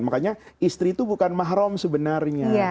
makanya istri itu bukan mahrum sebenarnya